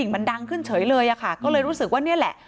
มันดังขึ้นเฉยเลยค่ะก็เลยรู้สึกว่านี่แหละ